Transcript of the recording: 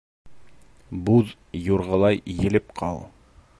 Буҙ юрғалай елеп ҡал.